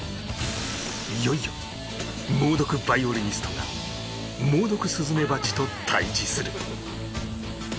いよいよ猛毒ヴァイオリニストが猛毒スズメバチと対峙する